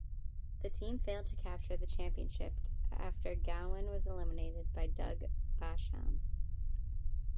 The team failed to capture the championship after Gowen was eliminated by Doug Basham.